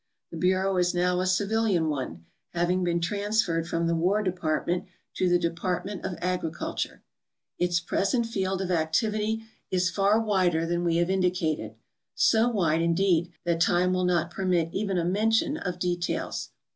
The bureau is now a civilian one, having been transferred from the War Department to the Department of Agriculture. Its present 292 GEOGRAPHICAL RESEARCH IN THE UNITED STATES field of activity is far wider than we have indicated — so wide, indeed, that time will not permit even a mention of details.